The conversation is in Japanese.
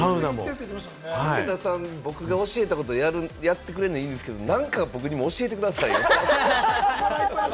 武田さん、僕が教えたことをやってくれるのはいいんすけど、なんか僕にも教えてくださいよ！